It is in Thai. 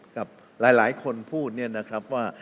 กับหลายคนพูดเนี่ยนะครับว่า